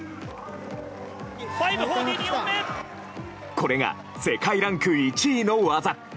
これが世界ランク１位の技。